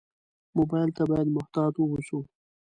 موبایل ته باید محتاط ووسو.